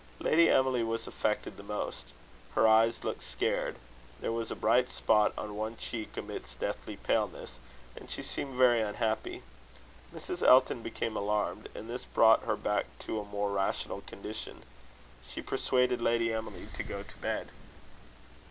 Lady Emily was affected the most. Her eyes looked scared; there was a bright spot on one cheek amidst deathly paleness; and she seemed very unhappy. Mrs. Elton became alarmed, and this brought her back to a more rational condition. She persuaded Lady Emily to go to bed.